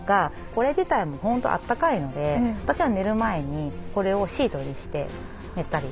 これ自体も本当あったかいので私は寝る前にこれをシートにして寝たり。